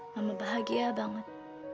mama bahagia banget